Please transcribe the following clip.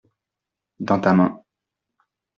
Dans ta main.